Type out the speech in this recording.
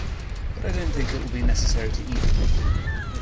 But I don’t think it will be necessary to eat them.